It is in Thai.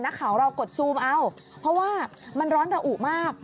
นักข่าวเรากดซูมเอาเพราะว่ามันร้อนระอุมาก